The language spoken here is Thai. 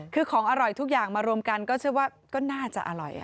คือของอร่อยทุกอย่างมารวมกันก็เชื่อว่าก็น่าจะอร่อย